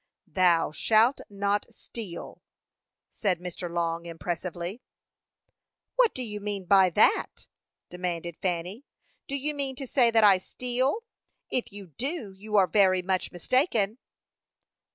"'Thou shalt not steal,'" said Mr. Long, impressively. "What do you mean by that?" demanded Fanny. "Do you mean to say that I steal? If you do, you are very much mistaken."